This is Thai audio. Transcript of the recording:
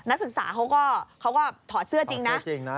นักศึกษาเขาก็ถอดเสื้อจริงนะ